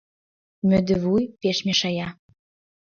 Мӧдывуй пеш мешая.